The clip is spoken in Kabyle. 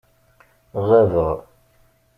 Ɣabeɣ.